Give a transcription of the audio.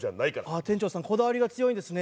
ああ店長さんこだわりが強いですね。